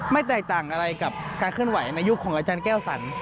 แตกต่างอะไรกับการเคลื่อนไหวในยุคของอาจารย์แก้วสัน